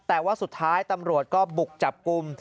แต่ว่าสุดท้ายตำรวจก็บุกจับกลุ่ม